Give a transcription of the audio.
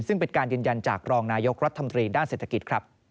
ซึ่งเป็นการยืนยันจากรองนายกรัฐมนตรีด้านเศรษฐกิจครับ